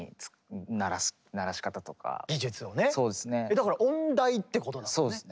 だから音大ってことだもんね。